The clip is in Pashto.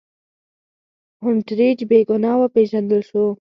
هونټریج بې ګناه وپېژندل شو.